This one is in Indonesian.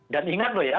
dan ingat loh ya